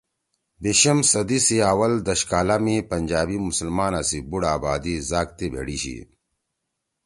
بیِشم صدی سی آول دش کالا می پنجابی مسلمانا سی بُوڑ آبادی زاگتے بھیڑی شی